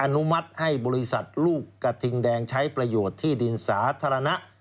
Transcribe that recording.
อนุมัติให้บริษัทลูกกระทิงแดงใช้ประโยชน์ที่ดินสาธารณะ